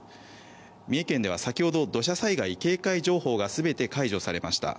三重県では先ほど土砂災害警戒情報が全て解除されました。